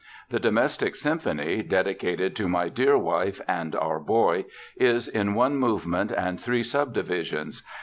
The Domestic Symphony, "dedicated to my dear wife and our boy" is in "one movement and three subdivisions.